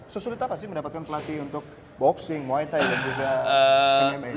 sesulit apa sih mendapatkan pelatih untuk boxing muay thai dan juga media